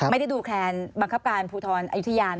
ไม่ได้ดูแคลนบังคับการภูทรอายุทธิญาณนะคะ